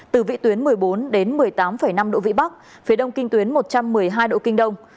từ vị tuyến một mươi bốn đến một mươi tám năm độ vĩ bắc phía đông kinh tuyến một trăm một mươi hai độ kinh đông